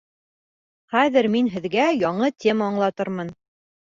Хәҙер мин һеҙгә яңы тема аңлатырмын.